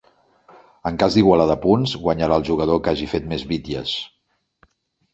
En cas d'igualada a punts, guanyarà el jugador que hagi fet més Bitlles.